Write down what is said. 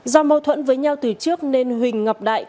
do mâu thuẫn với nhau từ trước nên huỳnh ngọc đại